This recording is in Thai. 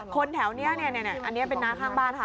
แถวนี้อันนี้เป็นน้าข้างบ้านค่ะ